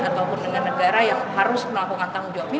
ataupun dengan negara yang harus melakukan tanggung jawab ini